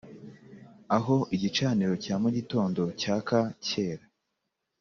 aho igicaniro cya mugitondo cyaka cyera